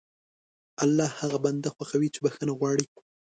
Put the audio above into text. الله هغه بنده خوښوي چې بښنه غواړي.